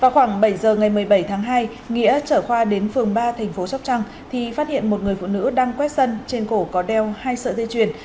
khoảng bảy h ngày một mươi bảy tháng hai nghĩa trở khoa đến phường ba tp sốc trăng thì phát hiện một người phụ nữ đang quét sân trên cổ có đeo hai sợi dây chuyền